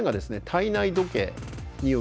体内時計による制御。